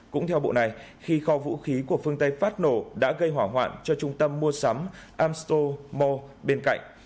cũng theo bộ này khi kho vũ khí của phương tây phát nổ đã gây hỏa hoạn cho trung tâm mua sắm amstomore bên cạnh